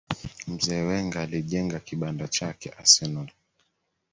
mzee Wenger alijenga kibanda chake arsenal